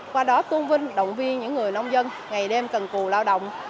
qua đó tôn vinh động viên những người nông dân ngày đêm cần cù lao động